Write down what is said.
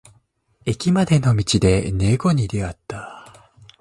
駅までの道で猫に出会った。